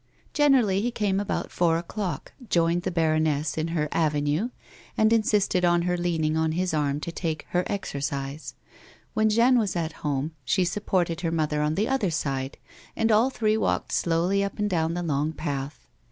Generally he came about four o'clock, joined the baroness in "her avenue," and insisted on her leaning on his arm to take " her exercise." When Jeanne was at home she sup ported her mother on the other side and all three walked slowly up and down the long path.